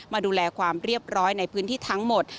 มาดูแลความเรียบร้อยในพื้นที่ทั้งหมด